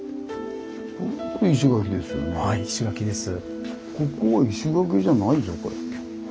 はい石垣です。